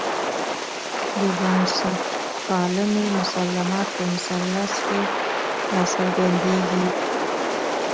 د بنسټپالنې مسلمات په مثلث کې راڅرګندېږي.